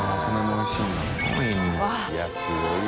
いやすごいよ。